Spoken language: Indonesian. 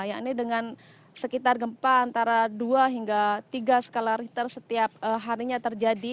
yakni dengan sekitar gempa antara dua hingga tiga skala riter setiap harinya terjadi